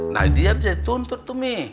nah dia bisa dituntut tuh umi